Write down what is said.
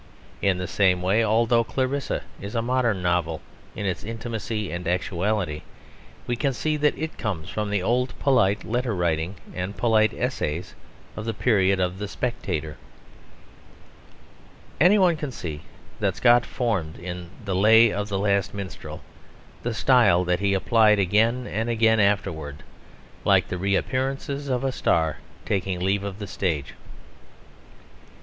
In the same way, although Clarissa is a modern novel in its intimacy and actuality, we can see that it comes from the old polite letter writing and polite essays of the period of the Spectator. Any one can see that Scott formed in The Lay of the Last Minstrel the style that he applied again and again afterwards, like the reappearances of a star taking leave of the stage.